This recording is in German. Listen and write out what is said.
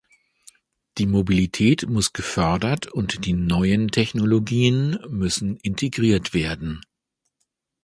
Die Mobilität muss gefördert und die neuen Technologien müssen integriert werden.